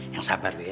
yang sabar dulu ya